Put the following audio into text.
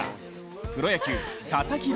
プロ野球・佐々木朗